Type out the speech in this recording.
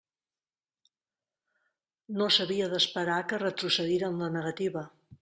No s'havia d'esperar que retrocedira en la negativa.